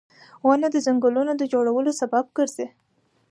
• ونه د ځنګلونو د جوړولو سبب ګرځي